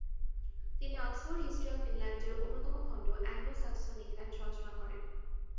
তিনি Oxford History of ইংল্যান্ড-এর অন্যতম খণ্ড অ্যাংলো-স্যাক্সন ইংল্যান্ড রচনা করেন।